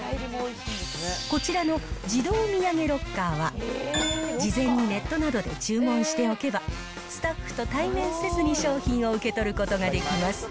こちらの自動土産ロッカーは、事前にネットなどで注文しておけば、スタッフと対面せずに商品を受け取ることができます。